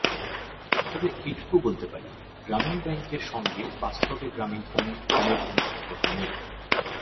তবে এটুকু বলতে পারি, গ্রামীণ ব্যাংকের সঙ্গে বাস্তবে গ্রামীণফোনের কোনো সম্পর্ক নেই।